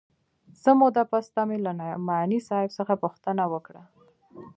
څه موده پس ته مې له نعماني صاحب څخه پوښتنه وکړه.